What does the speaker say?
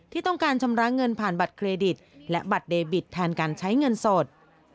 ที่ต้องการชำระเงินผ่านบัตรเครดิตและบัตรเดบิตแทนการใช้เงินสด